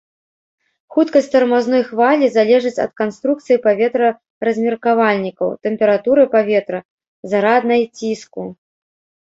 Хуткасць тармазной хвалі залежыць ад канструкцыі паветраразмеркавальнікаў, тэмпературы паветра, зараднай ціску.